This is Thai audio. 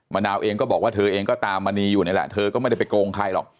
นาวเองก็บอกว่าเธอเองก็ตามมณีอยู่นี่แหละเธอก็ไม่ได้ไปโกงใครหรอก